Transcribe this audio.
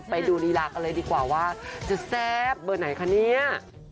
ไปดูลีลากันเลยดีกว่าว่าจะแซ่บเบอร์ไหนคะเนี่ย